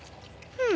うん。